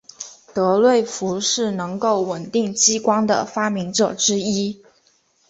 德瑞福是能够稳定激光的的发明者之一。